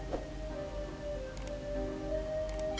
saya tidak mau